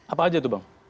apa aja itu bang